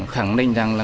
khẳng định rằng là